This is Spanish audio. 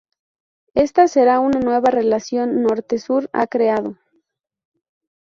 Esta será una nueva relación Norte-Sur ha creado.